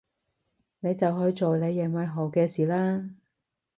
你就去做你認為係好嘅事啦